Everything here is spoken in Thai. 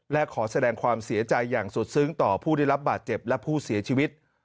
และขอแสดงความเสียใจอย่างสุดซึ้งต่อผู้ได้รับบาดเจ็บและผู้เสียชีวิต